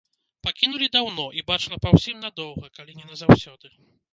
Пакінулі даўно, і бачна па ўсім, надоўга, калі не назаўсёды.